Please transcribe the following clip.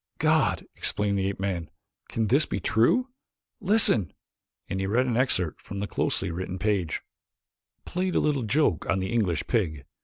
"God!" exclaimed the ape man. "Can this be true? Listen!" and he read an excerpt from the closely written page: "'Played a little joke on the English pig.